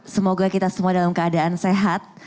semoga kita semua dalam keadaan sehat